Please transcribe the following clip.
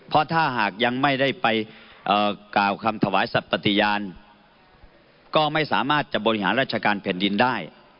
เพราะถ้าหากยังไม่ได้ไปกล่าวคำถวายสัตว์ปฏิญาณก็ไม่สามารถจะบริหารราชการแผ่นดินได้